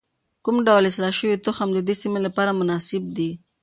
کوم ډول اصلاح شوی تخم د دې سیمې لپاره مناسب دی؟